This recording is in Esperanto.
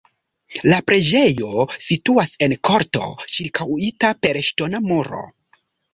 La preĝejo situas en korto ĉirkaŭita per ŝtona muro.